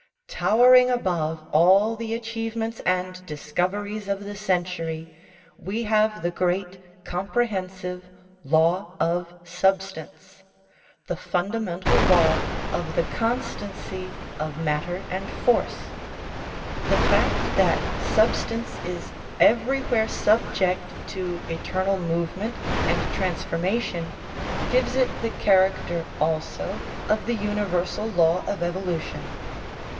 Towering above all the achievements and discov eries of the century we have the great, comprehensive "law of substance," the fundamental law of the con stancy of matter and frce. The fact that substance is everywhere subject to eternal movement and trans formation gives it the character also of the universal law of evolution.